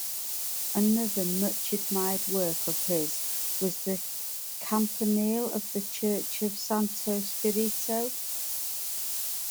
Another much-admired work of his was the campanile of the church of Santo Spirito.